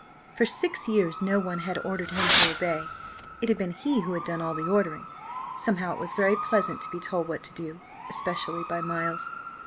For six years no one had ordered him to obey; it had been he who had done all the ordering. Somehow it was very pleasant to be told what to do, especially by Miles.